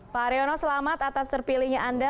pak haryono selamat atas terpilihnya anda